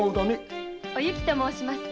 おゆきと申します。